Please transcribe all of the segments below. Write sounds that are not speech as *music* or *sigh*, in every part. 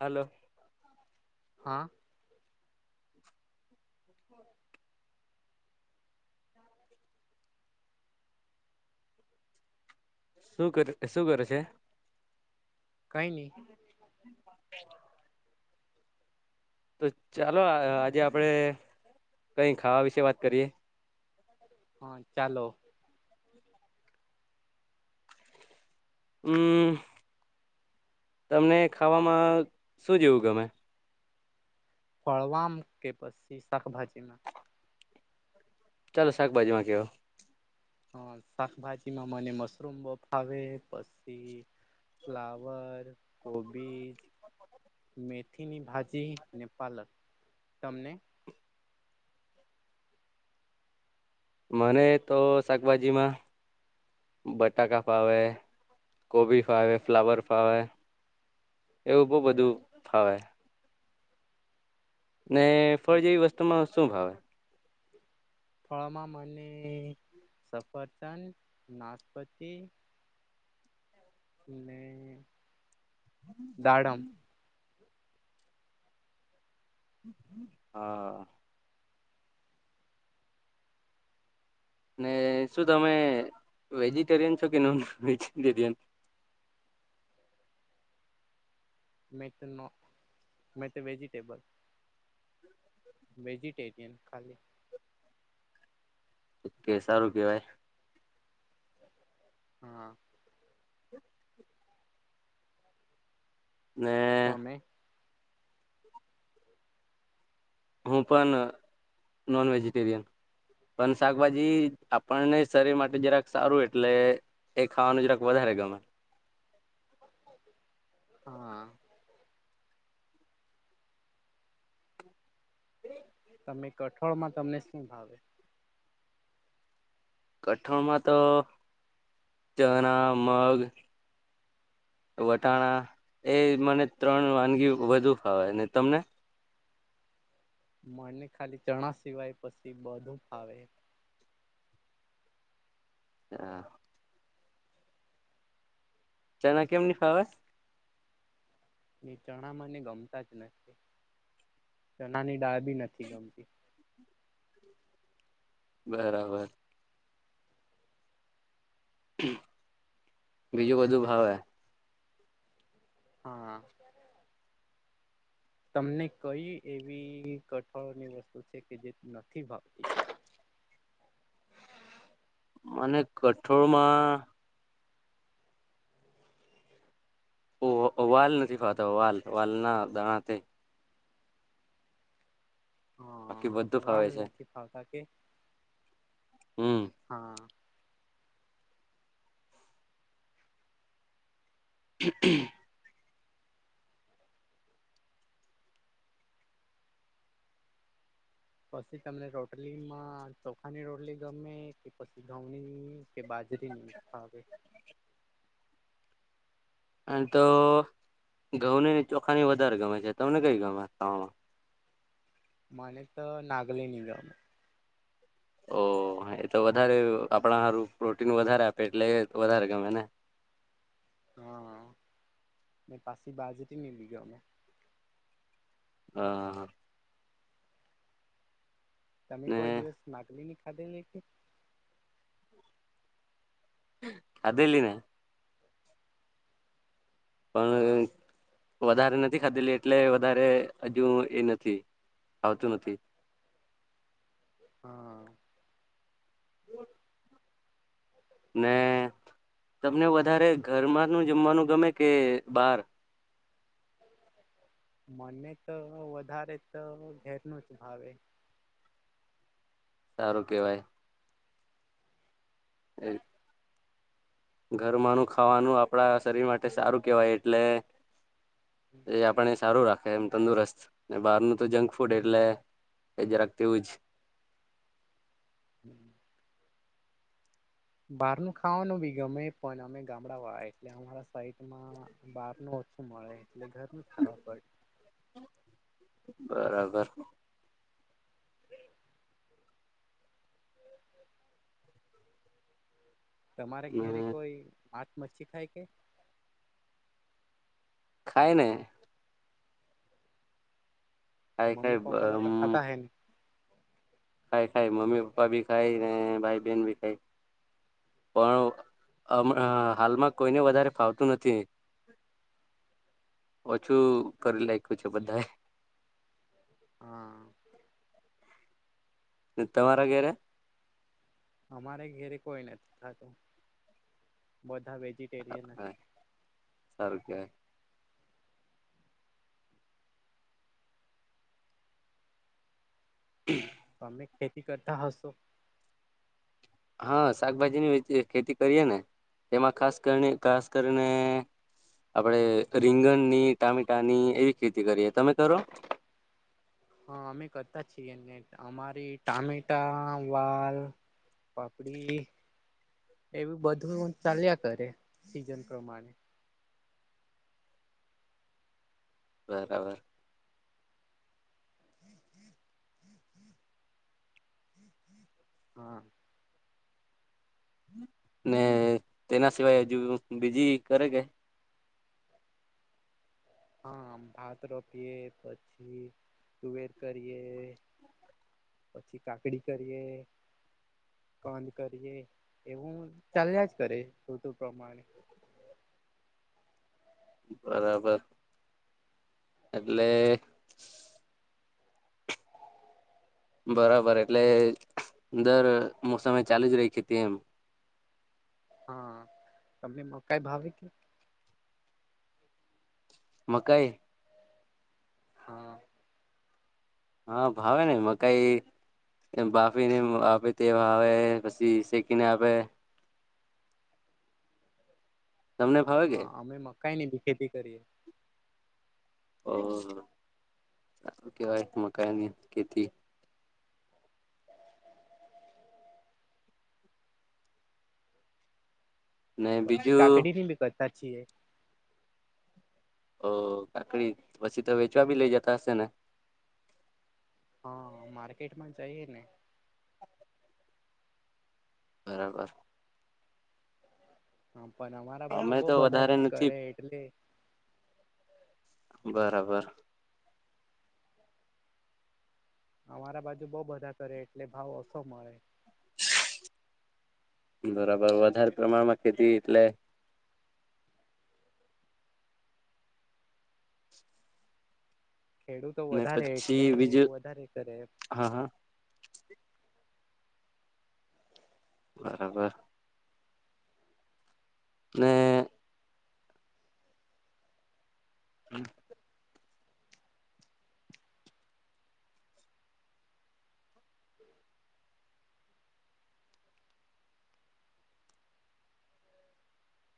હાલો. હા. *inaudible* શું કર શું કરે છે? કઈ નહી. *inaudible* તો ચાલો આજે આપડે કઈ ખાવા વિશે વાત કરીએ. હા ચાલો હમ તમને ખાવામાં શું જેવું ગમે? ફળવામ કે પછી શાકભાજીમાં? ચાલો શાકભાજી માં કેવો. *unintelligible* શાકભાજીમાં મને મશરૂમ બફાવે પછી ફ્લાવર કોબીજ મેથીની ભાજી ને પાલક તમને. મને તો શાકભાજીમાં બટાકા ફાવે કોબી ફાવે ફ્લાવર ફાવે એવું બહુ બધું ફાવે. ને હા ફળ જેવી વસ્તુમાં? શું ભાવે? *unintelligible* મને *unintelligible* નાશપતિ ને. દાડમ *unintelligible* હા. શું તમે વેજીટેરિયન છો કે નોન વેગ્ટેરિયન? *unintelligible* મે વેજીટેબલ વેજિટેરિયન ખાલી. ઓકે સારું કેવાય. હા. ને તમે હું પણ નોન વેજીિટેરિયન, પણ શાકભાજી આપણને શરીર માટે જરાક સારું એટલે એ ખાવાનું જરાક વધારે ગમે. હા. તમે કઠોળમાં તમને શું ભાવે? કઠોણમાં તો, ચણા મગ, વટાણા એ મને ત્રણ વાનગી વધુ ખાવાય ને તમને? મને ખાલી ચણા સિવાય પછી બધું ફાવે. હા. ચના કેમ ની ફાવે? એ ચણા મને ગમતા જ નથી, ચણાની ડળ બી નથી ગમતી. બરાબર. બીજું બધું ભાવે હા. તમને કઈ એવી કઠળોની વસ્તુ છે, કે જે નથી ભાવતી? મને કઠોળમાં વાલ નથી ખાતા વાલ વાલના દાણા તે. બાકી બધું ફાવે વાલ છે નથી ફાવતા કે? હમ હા. *unintelligible* પછી તમને રોટલીમાં ચોખાની રોટલી ગમે કે પછી ઘઉંની કે બાજરીની ખાવે? અને તો ઘઉં નને ચોખાની વધારે ગમે છે, તમને કઈ ગમે ખાવામાં? મને તો નાગલેની ગમે. ઓ એ તો વધારે આપણા સારું પ્રોટીન વધારે આપે એટલે વધારે ગમે ને. હા મે *unintelligible* બારજથીની *unintelligible* હા. તમે ને કોઈ દિવસ *unintelligible* *unintelligible* *unintelligible* પણ હા વધારે નથી. ખાધેલી એટલે વધારે હજુ એ નથી આવતું નથી. હા. ને તમને વધારે ઘર માં નું જમવાનું ગમે કે બાર? મને તો વધારે તો ઘેરનું જ ભાવે. સારું કેવાય. એ ઘરમાંનું ખાવાનું આપણા શરીર માટે સારું કેહેવાય એટલે એ આપણને સારું રાખ એમ તંદુરસ્ત બહાર નું તો જંક ફૂડ એટલે એ જરાક તેવુંજ *inaudible* બહાર નું ખાવાનું બી ગમે પણ અમે ગામડાવાળ એટલે અમારા બાર નો મળે એટલે ઘરનું ખવા પડે બરાબર. તમારે ઘેરે કોઈ. આચ મચ્છી ખાય કે. ખાઈને. ખાય ખાય મમ્મી પાપા લોકો ખાતા હ. ખાય ખાય મમ્મી પપ્પા બી ખાય ને ભાઈ બેન બી ખાય પણ હ હાલમાં કોઈને વધારે ફાવતું નથી ઓછું કરી લખ્યું છે બધાએ. હા તમારા ધરે. અમારે ઘેરે કોઈ નથી થતું બધ. વેજીિટેરિયન. સારું કેવાય *inaudible* તમે ખેતી કરતા હશો. હા શાકભાજીની વે ખેતી કરીએ ને તેમાં ખાસ કરીને ખાસ કરીને આપડે રીંગણની ટામેટાની એવી ખેતી કરીએ તમે કરો. હા અમે કરતા છીએને અમારી ટામેટા વાલ પાપડી એવું બધું ચાલ્યા કરે સીઝન પ્રમાણે. બરાબર. હા. ને તેના સિવાય હજુ બીજી કરે કે. હા ભાત રોપીએ પછી તુવેર કરીએ પછી કાકડી કરીએ કંધ કરીએ. એવું ચાલ્યા જ કરે તો તો. પ્રમાણે. બરાબર એટલે. બરાબર એટલે દર મોસમે એ ચાલુ જ રહી ખતી એમ. હા તમને મકાઈ ભાવે કે મકઈ. હા. હા ભાવે ને મકાઈ બાફીને આપે તે ભાવે પછી શેકીને આપે. તમને ભાવે કે. મકઈ ની ભી ખેતી કરીએ. ઓ સારુ કેવાય મકાઈની ખેતી. ને બીજું. સાચીએ. ઓ કાકડી પછી તો વેચવા ભી લઇ જતા હશે ને? હા માર્કેટમાં જઈ ને. બરાબર. હા. પણ અમારા બાજુ અમે બહ તો બધા વધારે નથી કરે એટલે રાબર. અમારા બાજુ બઉ બધા કરે એટલે ભાવ ઓછો મળે. બરાબર વધારે પ્રમાણમાં ખેતી એટલે ખેડુંતો ને વધારે એટલે પછી બીજું વધારે કરે એમ. હા હા બરાબર. ને હમ.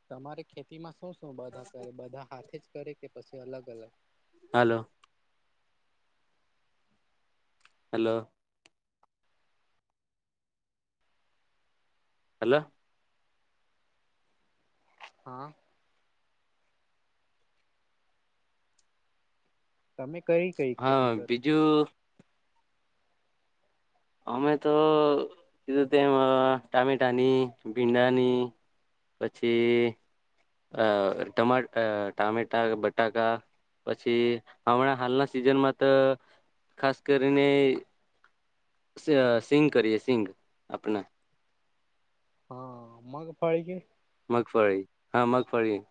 તમારે ખેતીમાં શું શ બધા કરે બધા હાથે જ કરે કે પછી અલગ અલગ? હાલો. હેલો. હલો. હા. તમે કઈ કઈ હા ખેતી કરો બીજું અમે તોધું તેમ ટામેટાની ભીંડાની, પછી અ ટ ટામેટા બટાકા, પછી હમણાં હાલના સિઝનમાં તો, ખાસ કરીને સિઘ કરીએ સિંઘ આપણા. અમાં ક પાળ કે? મગફળી હા મગ ફળી.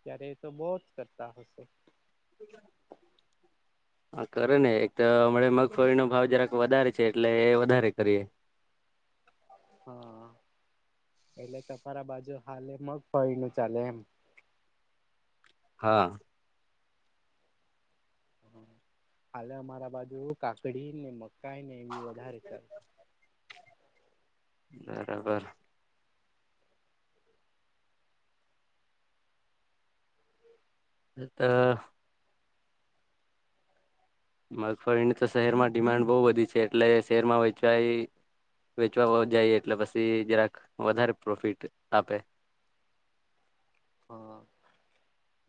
ત્યારે એ તો બહ જ કરતા હશે. હા કરે ને એક તો હણા મગફળીનો ભાવ જરાક વધારે છે એટલે એ વધારે કરીએ. હા, એટલે સફરા બાજુ હાલે મગ ફળી ન ચાલે એમ. હા. હાલે અમારા બાજુ કાકડી મગ કઈ નહી એવી વધારે ચાલે. બરાબર. એ તો મગફળી તો શહેરમાં ડિમાન્ડ બહુ વધી છે એટલે શહેરમાં વેચવા વેચવા જાય એટલે પછી જરાક વધારે પ્રોફિટ આપે. હા,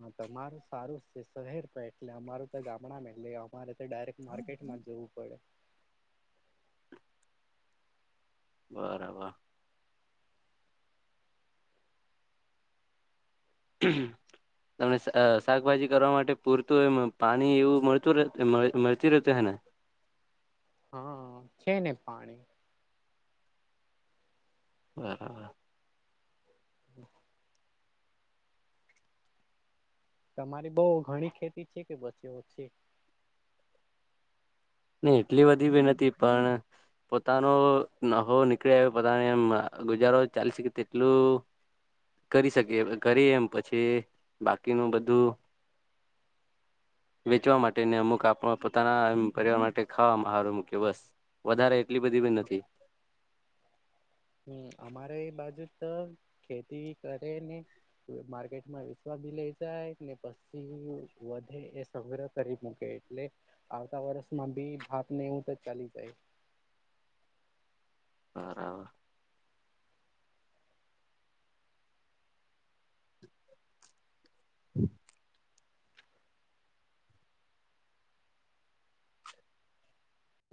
હા તમારું સારું શહેર પ એટલે અમારું તો ગામડામાં એટલે અમારે ડાયરેક્ટ માર્કેટમાં જવું પડે. બરાબર. તમને શાકભાજી કરવા માટે પૂરતું એમ પાણી એવું મળતું મળતી રહેત હેને? *inaudible* હા છે ને પાણી. બરાબર. હમ. તમારી બઉ ઘણી ખેતી છે કે બસ એવ છે. ન એટલી બી ભી નથી પણ પોતાનો નહો નીકળી આવે પોતાને એમ ગુજારો ચાલી શકે તેટલું કરી શકી કરી એમ પછી બાકીનું *unintelligible* બધું વેચવા માટે અમુક આપ પોતાના. પરિવાર માટે ખાવામાં સારું મૂક્યો બસ વધારે એટલી બધી બ નથી. હમ અમારે એ બાજુ તો ખેતી કરે ને માર્કેટમાં વસવા બી લઈ જાય ને પછી વધે એ સગ્રહ કરી મૂકે એટલે આવતા વર્ષમાં બી ભાપ ને એવું તો ચાલી જાય. બરાબર. હમ. તો